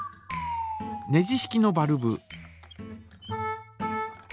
ネジ式のバルブ。